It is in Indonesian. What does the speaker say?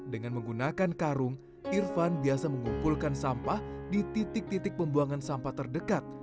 dengan menggunakan karung irfan biasa mengumpulkan sampah di titik titik pembuangan sampah terdekat